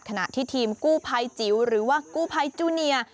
ขณะที่ทีมกู้ภัยจิ๋วหรือว่ากู้ภัยจูเนีย